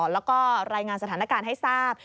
แล้วก็รายงานสถานการณ์ให้ทราบ